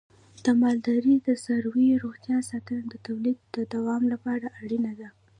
د مالدارۍ د څارویو روغتیا ساتنه د تولید د دوام لپاره اړینه ده.